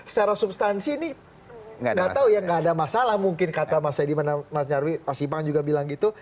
secara substansi ini